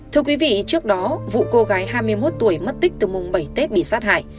thưa quý vị trước đó vụ cô gái hai mươi một tuổi mất tích từ mùng bảy tết bị sát hại